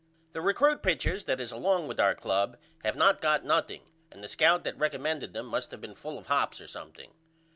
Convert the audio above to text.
The recrut pitchers that is along with our club have not got nothing and the scout that reckommended them must of been full of hops or something.